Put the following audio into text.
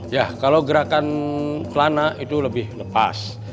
ya kalau gerakan kelana itu lebih lepas